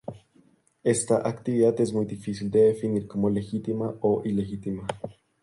Esta actividad es muy difícil de definir como legítima o ilegítima.